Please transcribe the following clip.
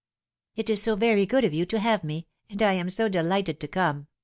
" It is so very good of you to have me, and I am so delighted to come